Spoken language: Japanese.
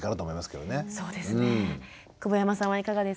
はいそうですね。